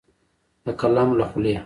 د قلم له خولې